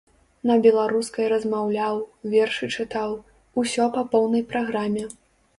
На беларускай размаўляў, вершы чытаў, усё па поўнай праграме.